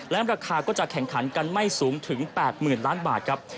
และราคาก็จะแข่งขันกันไม่สูงถึง๘๐๐๐ล้านบาทครับ